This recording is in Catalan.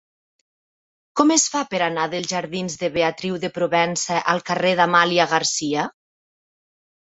Com es fa per anar dels jardins de Beatriu de Provença al carrer d'Amàlia Garcia?